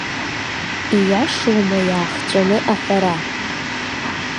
Ииашоума иаахҵәаны аҳәара.